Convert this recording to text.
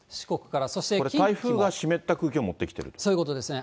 これ、台風が湿った空気を持そういうことですね。